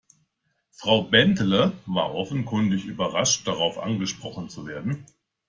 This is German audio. Frau Bentele war offenkundig überrascht, darauf angesprochen zu werden.